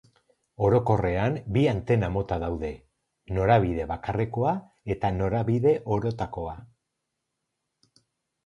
Orokorrean bi antena-mota daude: Norabide bakarrekoa eta norabide orotakoa.